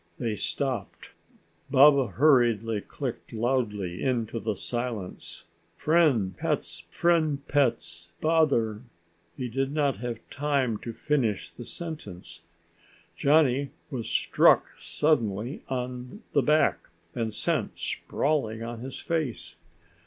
They stopped. Baba hurriedly clicked loudly into the silence, "Friend pets, friend pets, bother " He did not have time to finish the sentence. Johnny was struck suddenly on the back and sent sprawling on his face.